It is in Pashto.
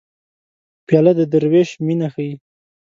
پیاله د دروېش مینه ښيي.